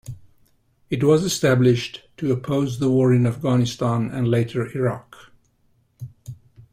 It was established to oppose the war in Afghanistan and later Iraq.